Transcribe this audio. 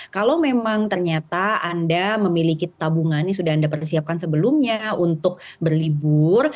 kalau memang ternyata anda memiliki tabungan yang sudah anda persiapkan sebelumnya untuk berlibur